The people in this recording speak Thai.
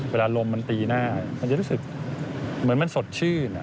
เวลาลมมันตีหน้ามันจะรู้สึกเหมือนมันสดชื่น